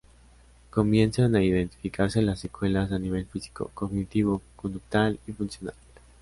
Comienzan a identificarse las secuelas a nivel físico, cognitivo, conductual y funcional.